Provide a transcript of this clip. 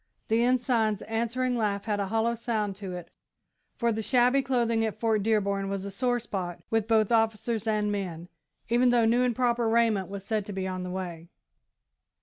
The Ensign's answering laugh had a hollow sound to it, for the shabby clothing at Fort Dearborn was a sore spot with both officers and men, even though new and proper raiment was said to be on the way.